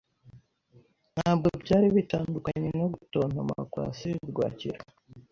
Ntabwo byari bitandukanye no gutontoma kwa serwakira